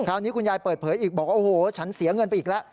คุณยายเปิดเผยอีกบอกว่าโอ้โหฉันเสียเงินไปอีกแล้ว